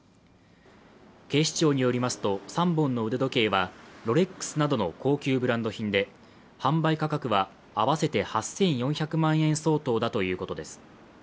警視庁によりますと３本の腕時計はロレックスなどの高級ブランド品で、販売価格は合わせて８４００万円相当だということです。